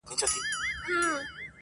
• دا چي تللي زموږ له ښاره تر اسمانه,